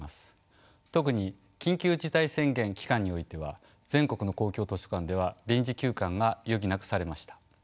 特に緊急事態宣言期間においては全国の公共図書館では臨時休館が余儀なくされました。